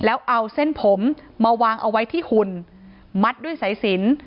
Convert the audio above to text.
แล้วเอาเส้นผมมาวางเอาไว้ที่หุ่นมัดด้วยสายสิน